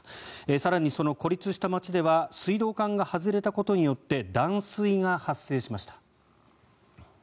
更に、その孤立した町では水道管が外れたことによって断水が発生しました。